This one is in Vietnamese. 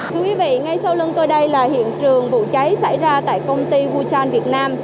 thưa quý vị ngay sau lưng tôi đây là hiện trường vụ cháy xảy ra tại công ty wechan việt nam